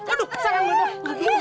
aduh sayang bener